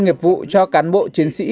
nghiệp vụ cho cán bộ chiến sĩ